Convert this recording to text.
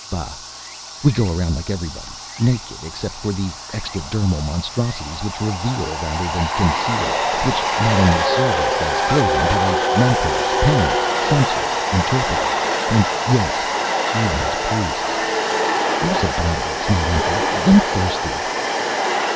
Bah! We go around like everybody, naked except for these extradermal monstrosities which reveal rather than conceal, which not only serve us as clothing but as mentors, parents, censors, interpreters, and, yes, even as priests. Where's a bottle that's not empty? I'm thirsty."